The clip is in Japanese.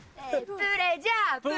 プレジャー！